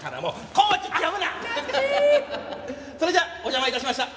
それじゃお邪魔致しました。